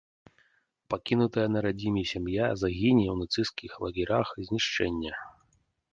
Пакінутая на радзіме сям'я загіне ў нацысцкіх лагерах знішчэння.